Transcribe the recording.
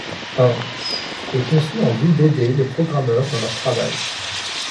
Un ' est conçu en vue d'aider les programmeurs dans leur travail.